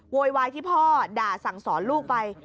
โวยวายที่พ่อด่าสั่งสอนลูกไป